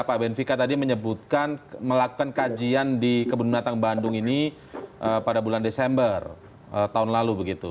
pak benvika tadi menyebutkan melakukan kajian di kebun binatang bandung ini pada bulan desember tahun lalu begitu